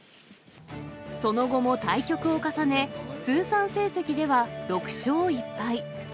その後も対局を重ね、通算成績では６勝１敗。